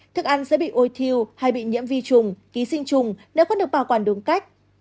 thức ăn sẽ bị ôi thiêu hay bị nhiễm vi trùng ký sinh trùng nếu không được bảo quản đúng cách